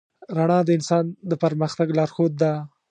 رڼا د انسان د پرمختګ لارښود ده.